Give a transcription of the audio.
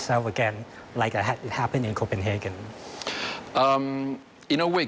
อย่างที่เกิดขึ้นในโคเปรนเฮงกัน